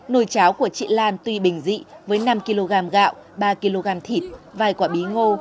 nồi cháo của chị lan tuy bình dị với năm kg gạo ba kg thịt vài quả bí ngô